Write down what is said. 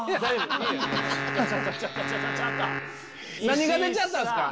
何が出ちゃったんすか？